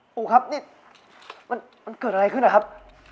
ปู่ครับนี่มันเกิดอะไรขึ้นนะครับ